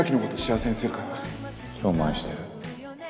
今日も愛してる？